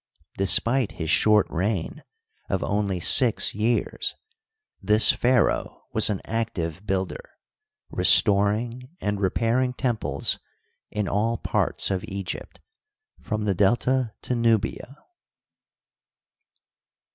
Despite his short reig^ of only six years, this pharaoh was an active builder, restoring and repairing temples in all parts of Egypt, from the Delta to Nubia.